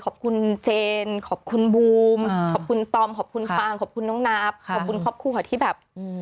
ขอบคุณเจนขอบคุณบูมขอบคุณตอมขอบคุณฟางขอบคุณน้องนับขอบคุณครอบครัวค่ะที่แบบ